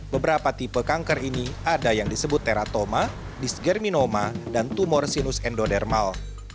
beberapa tipe kanker ini ada yang disebut teratoma disgerminoma dan tumorsinus endodermal